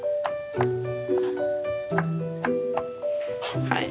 はい。